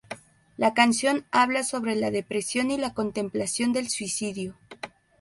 La canción habla sobre la depresión y la contemplación del suicidio.